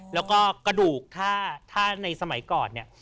แล้วก็กระดูกถ้าในสมัยก่อนเนี่ย